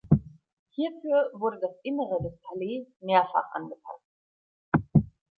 Hierfür wurde das Innere des Palais mehrfach angepasst.